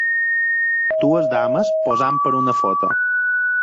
Dues dames posant per a una foto.